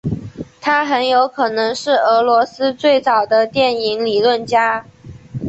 他很可能是俄罗斯最早的电影理论家。